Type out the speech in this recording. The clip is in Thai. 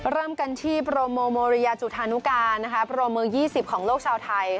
เริ่มกันที่โปรโมโมเรียจุธานุกาโปรมือ๒๐ของโลกชาวไทย